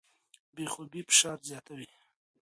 بې خوبۍ فشار زیاتوي.